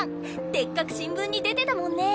でっかく新聞に出てたもんね！